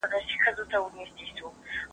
انسان نه سي کولای یوازې ژوند وکړي.